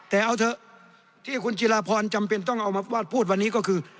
แต่เอาเถอะที่คุณจิราพรจำเป็นต้องเอามาวาดพูดวันนี้ก็คือ